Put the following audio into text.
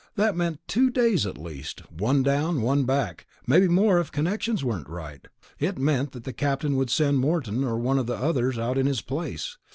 That meant two days at least, one down, one back, maybe more if connections weren't right. It meant that the captain would send Morton or one of the others out in his place.